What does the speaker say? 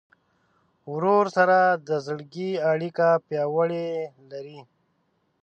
ورور سره د زړګي اړیکه پیاوړې لرې.